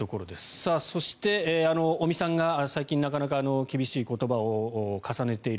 そして尾身さんが最近なかなか厳しい言葉を重ねている。